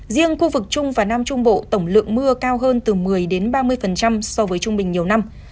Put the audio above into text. riêng khu vực trung và nam trung bộ tổng lượng mưa cao hơn từ một mươi ba mươi so với trung bình nhiều năm